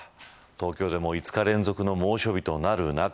東京も５日連続の猛暑日となる中